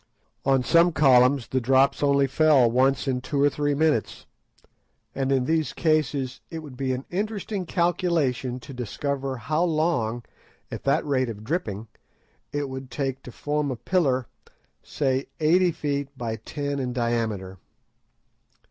On some columns the drops only fell once in two or three minutes, and in these cases it would be an interesting calculation to discover how long, at that rate of dripping, it would take to form a pillar, say eighty feet by ten in diameter.